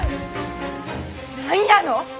何やの！？